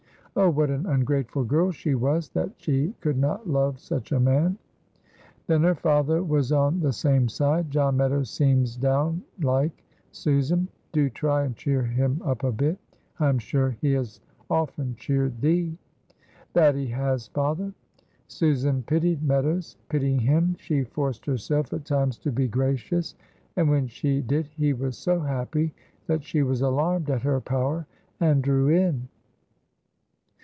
Oh, what an ungrateful girl she was that she could not love such a man! Then her father was on the same side. "John Meadows seems down like, Susan. Do try and cheer him up a bit, I am sure he has often cheered thee." "That he has, father." Susan pitied Meadows. Pitying him, she forced herself at times to be gracious, and when she did he was so happy that she was alarmed at her power and drew in.